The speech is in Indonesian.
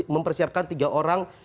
mempersiapkan tiga orang